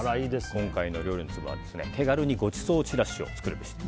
今回の料理のツボは手軽にごちそうちらしを作るべし。